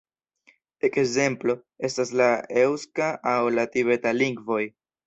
Ekzemplo estas la eŭska aŭ la tibeta lingvoj.